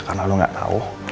karena lu nggak tahu